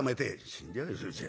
「死んじゃうよそれじゃ。